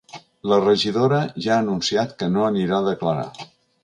La regidora ja ha anunciat que no anirà a declarar.